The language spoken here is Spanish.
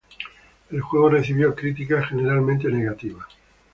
El juego recibió críticas generalmente negativas.